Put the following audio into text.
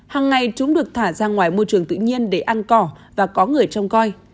hằng ngày chúng được thả ra ngoài môi trường tự nhiên để ăn cỏ và có người trông coi